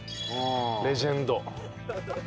レジェンド。